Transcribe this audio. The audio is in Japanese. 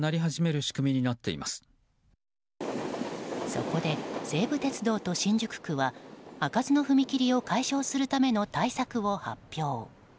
そこで西武鉄道と新宿区は開かずの踏切を解消するための対策を発表。